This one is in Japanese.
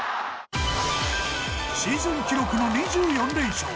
シーズン記録の２４連勝。